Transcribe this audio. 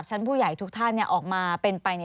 สนุนโดยน้ำดื่มสิง